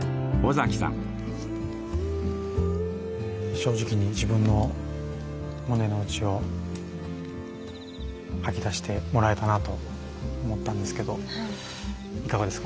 正直に自分の胸の内を吐き出してもらえたなと思ったんですけどいかがですか？